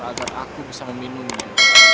agar aku bisa meminumnya